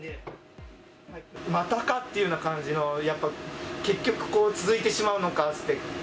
またかっていうような感じの、結局、続いてしまうのかって。